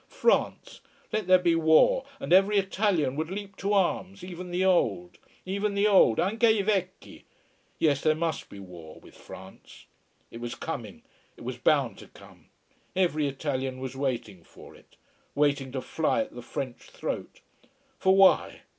France! Let there be war, and every Italian would leap to arms, even the old. Even the old anche i vecchi. Yes, there must be war with France. It was coming: it was bound to come. Every Italian was waiting for it. Waiting to fly at the French throat. For why?